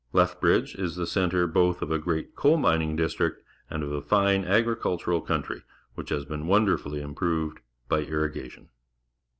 Lethbridge is the centre both of a great coal mining district and of a fine agricultural country, which has been wonderfully im proved bj^ irrigation.